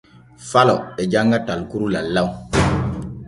Falo e janŋa talkuru lallaw.